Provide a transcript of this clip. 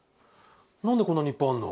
何でこんなにいっぱいあんの？